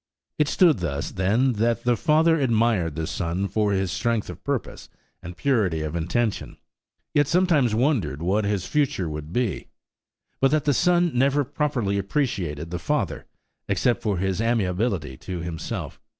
It stood thus, then, that the father admired the son for his strength of purpose and purity of intention, yet sometimes wondered what his future would be; but that the son never properly appreciated the father, except for his amiability to himself.